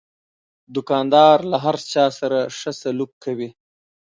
دوکاندار له هر چا سره ښه سلوک کوي.